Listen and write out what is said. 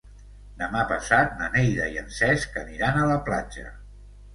Demà passat na Neida i en Cesc aniran a la platja.